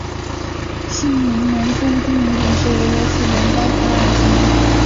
锡马农村居民点是俄罗斯联邦弗拉基米尔州尤里耶夫波利斯基区所属的一个农村居民点。